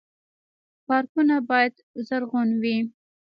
پارکونه باید زرغون وي